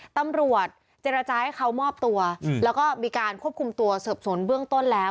ตำรวจเจรจาให้เขามอบตัวแล้วก็มีการควบคุมตัวเสิร์ฟสนเบื้องต้นแล้ว